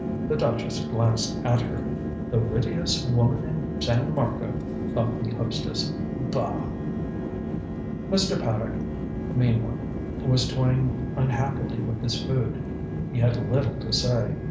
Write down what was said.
The duchess glanced at her. "The wittiest woman in San Marco," thought the hostess. "Bah!" Mr. Paddock, meanwhile, was toying unhappily with his food. He had little to say.